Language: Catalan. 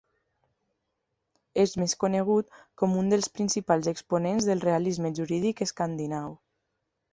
És més conegut com un dels principals exponents del realisme jurídic escandinau.